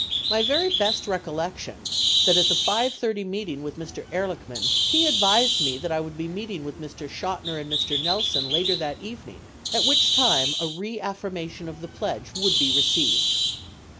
... my very best recollection, that at the 5 :30 meeting with Mr. Ehrlichman, he advised me that I would be meeting with Mr. Chotiner and Mr. Nelson later that evening, at which time a reaffirmation of the pledge would be received.